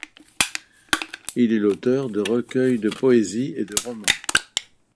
Il est l'auteur de recueils de poésie et de romans.